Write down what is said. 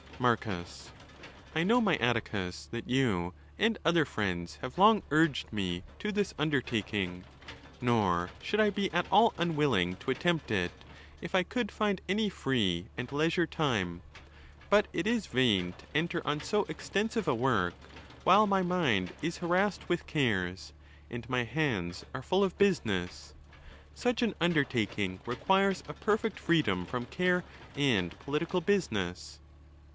Marcus.—\1 know, my Atticus, that you and other friends have long urged me to this undertaking, nor should I be at all unwilling to attempt it, if I could find any free and leisure time. But. it is vain to enter on so extensive a work while my mind is harassed with cares, and my hands are full of business. Such an undertaking requires a perfect freedom from care and political business.